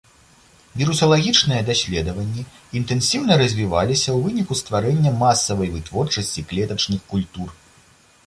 Вірусалагічныя даследаванні інтэнсіўна развіваліся ў выніку стварэння масавай вытворчасці клетачных культур.